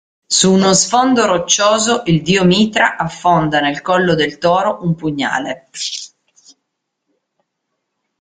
Su uno sfondo roccioso il dio Mitra affonda nel collo del toro un pugnale.